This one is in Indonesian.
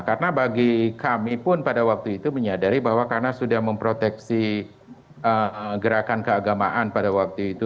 karena bagi kami pun pada waktu itu menyadari bahwa karena sudah memproteksi gerakan keagamaan pada waktu itu